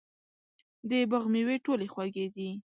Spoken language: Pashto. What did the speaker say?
د باغ مېوې ټولې خوږې دي.